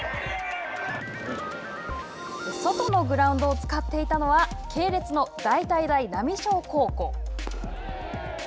外のグラウンドを使っていたのは系列の大体大浪商高校。